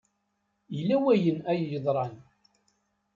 Yella wayen ay yeḍran.